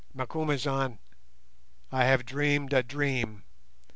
"Macumazahn, I have dreamed a dream.